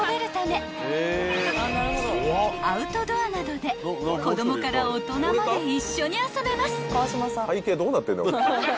［アウトドアなどで子供から大人まで一緒に遊べます］